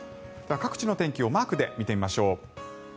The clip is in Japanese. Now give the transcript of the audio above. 各地の天気をマークで見てみましょう。